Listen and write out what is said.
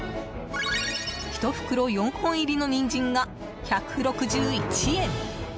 １袋４本入りのニンジンが１６１円。